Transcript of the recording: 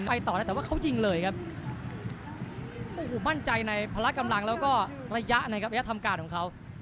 ไปต่อแต่ว่าเขายิงเลยครับมั่นใจในภาระกำรังแล้วก็ระยะทำการของเขา